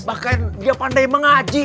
bahkan dia pandai mengaji